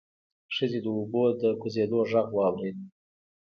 ښځې د اوبو د کوزېدو غږ واورېد.